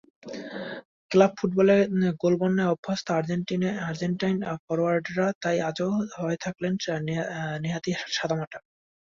Club ফুটবলে গোলবন্যায় অভ্যস্ত আর্জেন্টাইন ফরোয়ার্ডরা তাই আজও হয়ে থাকলেন নেহাতই সাদামাটা।